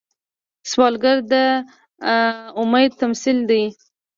سوالګر د امید تمثیل دی